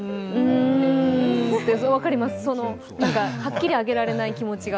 分かります、そのはっきり上げられない感じが。